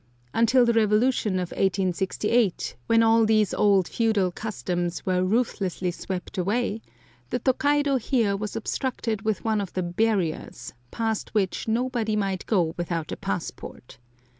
Until the revolution of 1868, when all these old feudal customs were ruthlessly swept away, the Tokaido here was obstructed with one of the "barriers," past which nobody might go without a passport.